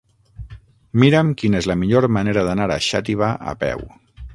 Mira'm quina és la millor manera d'anar a Xàtiva a peu.